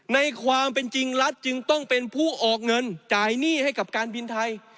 ในความเป็นจริงรัฐจึงต้องเป็นผู้ออกเงินจ่ายหนี้ให้กับการบินไทย